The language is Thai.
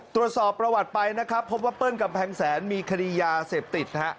ตรวจสอบประวัติไปนะครับพบว่าเปิ้ลกำแพงแสนมีคดียาเสพติดฮะ